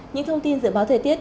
những thông tin dự báo thời tiết